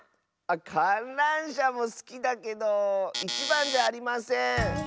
かんらんしゃもすきだけどいちばんではありません。え。